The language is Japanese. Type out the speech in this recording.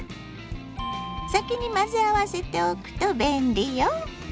先に混ぜ合わせておくと便利よ。